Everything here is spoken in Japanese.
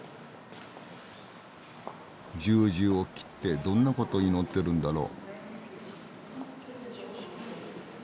十字を切ってどんなこと祈ってるんだろう？